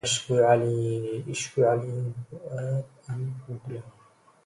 أشكو عليل فؤاد أنت متلفه